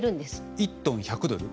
１トン１００ドル？